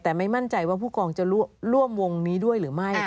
แต่ไม่มั่นใจว่าผู้กองจะร่วมวงนี้ด้วยหรือไม่